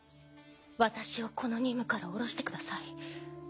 私をこの任務から降ろしてください。